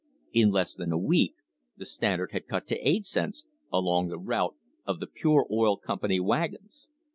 In less than a week the Standard had cut to 8 cents * along the route of the Pure Oil Company wagons.